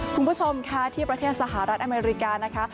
คุณผู้ชมค่ะที่ประเทศสหรัฐอเมริกานะคะ